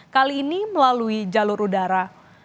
kali ini melalui jalur udara